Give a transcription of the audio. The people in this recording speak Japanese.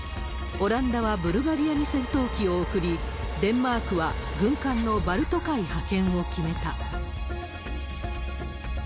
オランダはブルガリアに戦闘機を送り、デンマークは軍艦のバルト海派遣を決めた。